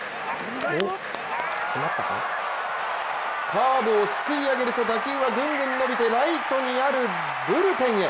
カーブをすくい上げると打球はぐんぐんと伸びてライトにあるブルペンへ。